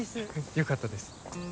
よかったです。